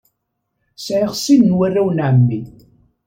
Sɛiɣ sin n warraw n ɛemmi.